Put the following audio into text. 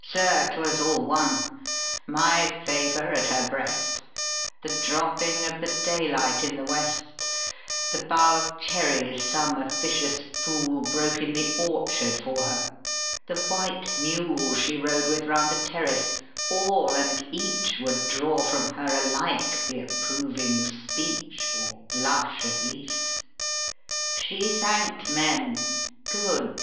Sir, 'twas all one! My favor at her breast, The dropping of the daylight in the West, The bough of cherries some officious fool Broke in the orchard for her, the white mule She rode with round the terrace all and each Would draw from her alike the approving speech, Or blush, at least. She thanked men, good!